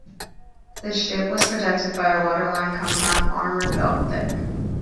The ship was protected by a waterline compound armour belt thick.